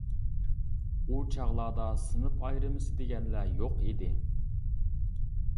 ئۇ چاغلاردا سىنىپ ئايرىمىسى دېگەنلەر يوق ئىدى.